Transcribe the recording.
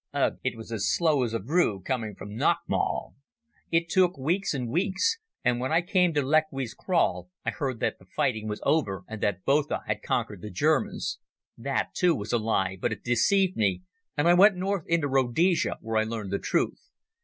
Ugh, it was as slow as a vrouw coming from nachtmaal. It took weeks and weeks, and when I came to Lechwe's kraal, I heard that the fighting was over and that Botha had conquered the Germans. That, too, was a lie, but it deceived me, and I went north into Rhodesia, where I learned the truth.